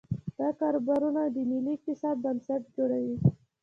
دا کاروبارونه د ملي اقتصاد بنسټ جوړوي.